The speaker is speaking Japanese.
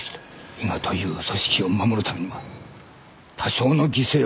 伊賀という組織を守るためには多少の犠牲はやむを得ない。